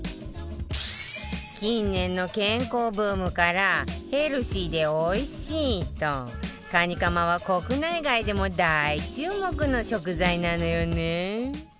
近年の健康ブームからヘルシーでおいしいとカニカマは国内外でも大注目の食材なのよね